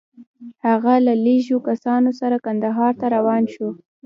هغه له لږو کسانو سره کندهار ته روان شو.